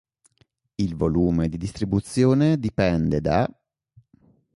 Il volume di distribuzione dipende da